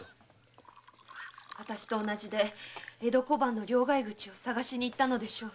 私と同じで江戸小判の両替口を探しに行ったのでしょう。